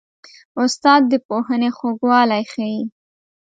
استاد د پوهنې خوږوالی ښيي.